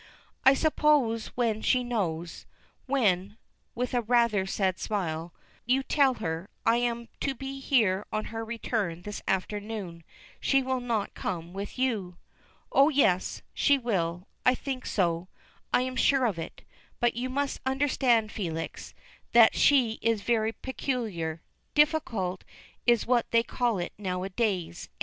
"I suppose when she knows when," with a rather sad smile, "you tell her I am to be here on her return this afternoon she will not come with you." "Oh, yes, she will. I think so I am sure of it. But you must understand, Felix, that she is very peculiar, difficult is what they call it now a days.